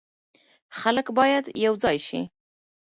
خلک باید یو ځای شي.